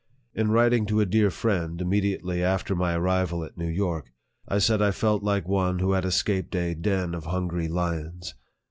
In writing to a dear friend, immediately after my arrival at New York, I said I felt like one who had escaped a den of hungry lions.